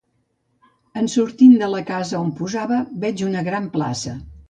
En sortint de la casa on posava, veig una gran plaça